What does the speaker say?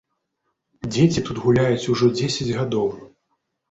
Дзеці тут гуляюць ужо дзесяць гадоў.